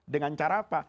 dengan cara apa